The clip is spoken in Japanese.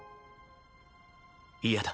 嫌だ。